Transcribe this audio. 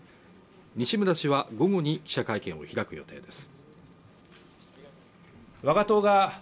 西村氏は午後に記者会見を開く予定です。